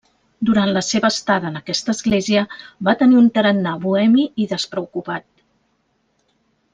Durant la seva estada en aquesta església va tenir un tarannà bohemi i despreocupat.